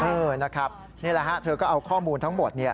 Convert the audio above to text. นะครับนี่แหละฮะเธอก็เอาข้อมูลทั้งหมด